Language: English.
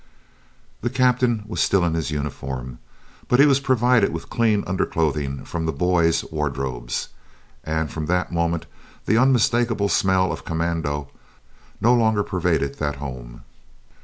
The Captain was still in his uniform, but he was provided with clean underclothing from the "boys'" wardrobes, and from that moment the unmistakable smell of commando no longer pervaded that home!